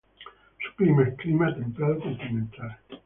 Su clima es clima templado continental.